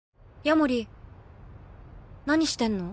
夜守何してんの？